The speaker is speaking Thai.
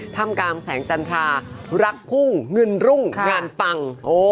ทำกลางแสงจันทรารักพุ่งเงินรุ่งงานปัง